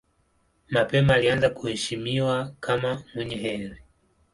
Mapema alianza kuheshimiwa kama mwenye heri.